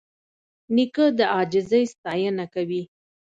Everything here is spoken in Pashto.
نیکه د عاجزۍ ستاینه کوي.